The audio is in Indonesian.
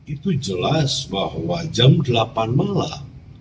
itu jelas bahwa jam delapan malam